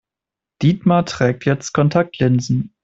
Dietmar trägt jetzt Kontaktlinsen.